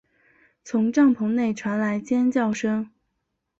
从帐篷内传来尖叫声